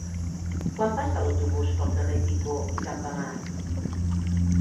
Quan passa l'autobús pel carrer Picó i Campamar?